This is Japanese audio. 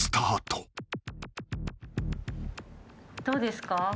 どうですか？